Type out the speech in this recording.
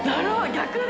逆に。